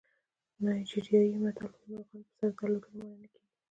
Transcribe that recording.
نایجریایي متل وایي مرغان په سر د الوتلو منع نه کېږي.